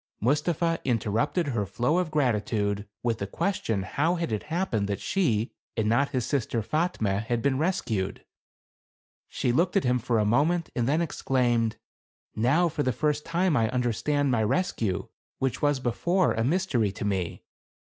Mustapha interrupted her flow of gratitude, with the question how had it happened that she and not his sister Fatme had been rescued ? She looked at him for a moment and then ex claimed, "Now, for the first time, I understand my rescue, which was before a mystery to me.